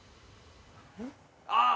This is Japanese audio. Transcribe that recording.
あっ！